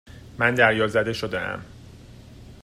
من دریازده شدهام.